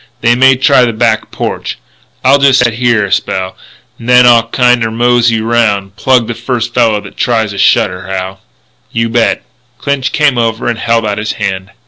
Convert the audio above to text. They may try the back porch. I'll jest set here a spell, n'then I'll kind er mosey 'round.... Plug the first fella that tries a shutter, Hal." "You bet." Clinch came over and held out his hand.